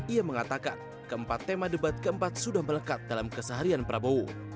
ia mengatakan keempat tema debat keempat sudah melekat dalam keseharian prabowo